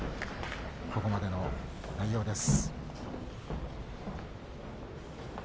ここまでの内容です。